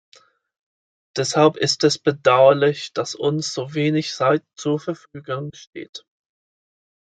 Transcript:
Deshalb ist es bedauerlich, dass uns so wenig Zeit zur Verfügung steht.